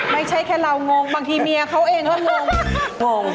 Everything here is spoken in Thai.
ไม่ใช่แค่เรางงบางทีเมียเขาเองก็งงงง